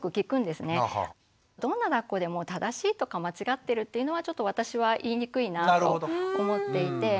どんなだっこでも正しいとか間違ってるっていうのはちょっと私は言いにくいなあと思っていて。